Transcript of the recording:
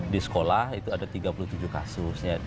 di sekolah itu ada tiga puluh tujuh kasus